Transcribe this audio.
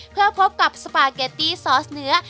เพื่อพบกับสปาเกตตี้ซอสเนื้อ